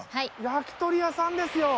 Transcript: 焼き鳥屋さんですよ。